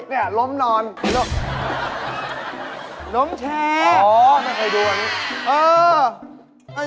หาปลา